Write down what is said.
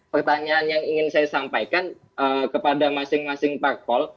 pertanyaan yang ingin saya sampaikan kepada masing masing parpol